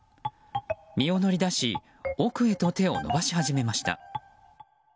身を乗り出し奥へと手を伸ばし始めました。